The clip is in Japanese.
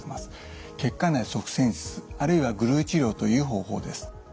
血管内塞栓術あるいはグルー治療という方法です。